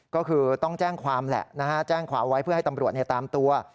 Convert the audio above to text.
ก็คือต้องแจ้งความแหละนะฮะแจ้งความไว้เพื่อให้ตำรวจตามตัว